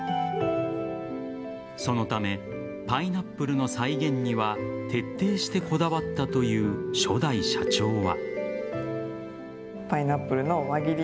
そのためパイナップルの再現には徹底してこだわったという初代社長は。